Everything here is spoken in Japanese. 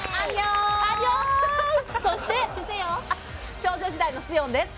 少女時代のスヨンです。